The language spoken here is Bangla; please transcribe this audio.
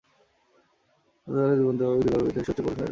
পর্তুগালের মধ্যভাগে উপকূল থেকে ভেতরে সুউচ্চ পর্বতশ্রেণী রয়েছে।